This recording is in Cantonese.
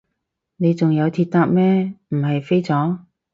你仲有鐵搭咩，唔係飛咗？